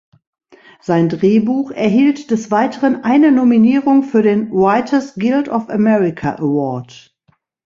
Sein Drehbuch erhielt des Weiteren eine Nominierung für den Writers Guild of America Award.